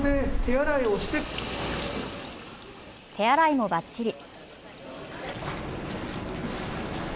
手洗いもばっちり。